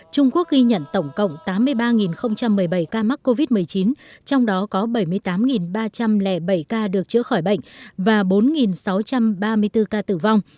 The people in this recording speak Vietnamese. trung quốc ghi nhận tổng cộng tám mươi ba một mươi bảy ca mắc covid một mươi chín trong đó có bảy mươi tám ba trăm linh bảy ca được chữa khỏi bệnh và bốn sáu trăm ba mươi bốn ca tử vong